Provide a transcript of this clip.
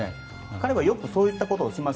彼はよくそういったことをします。